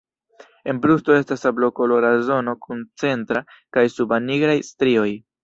En brusto estas sablokolora zono kun centra kaj suba nigraj strioj.